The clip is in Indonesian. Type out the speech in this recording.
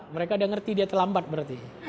mereka udah ngerti dia terlambat berarti